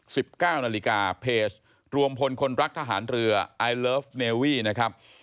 สิบเก้านาฬิกาเพจรวมพลคนรักทหารเรือไอเลิฟเนวี่นะครับ